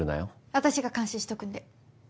私が監視しとくんで。